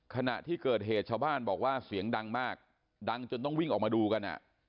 ขณะที่เกิดเหตุชาวบ้านบอกว่าเสียงดังมากดังจนต้องวิ่งออกมาดูกัน